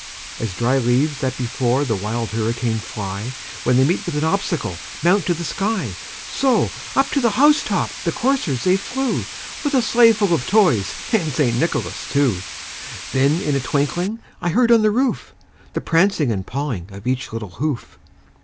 As dry leaves that before the wild hurricane fly, When they meet with an obstacle, mount to the sky, So, up to the house top the coursers they flew, With a sleigh full of toys and St. Nicholas too. And then in a twinkling I heard on the roof, The prancing and pawing of each little hoof.